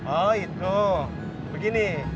oh itu begini